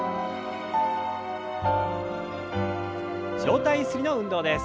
上体ゆすりの運動です。